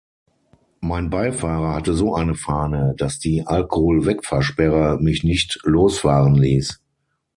Mein Beifahrer hatte so eine Fahne, dass die Alkoholwegfahrsperre mich nicht losfahren ließ.